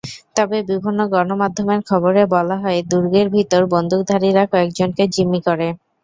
তবে বিভিন্ন গণমাধ্যমের খবরে বলা হয়, দুর্গের ভেতর বন্দুকধারীরা কয়েকজনকে জিম্মি করে।